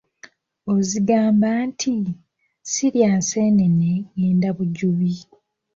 Ozigamba nti, “Sirya nseenene ngenda Bujubi.῎